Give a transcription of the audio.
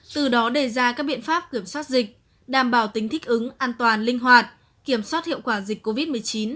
từ đó đề ra các biện pháp kiểm soát dịch đảm bảo tính thích ứng an toàn linh hoạt kiểm soát hiệu quả dịch covid một mươi chín